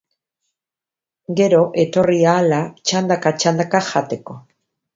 Gero, etorri ahala, txandaka-txandaka jateko.